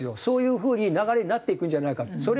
そういう風に流れになっていくんじゃないかって。